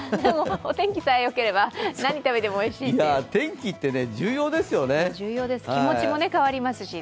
お天気さえよければ何食べてもおいしいっていう。